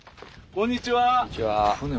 こんにちは。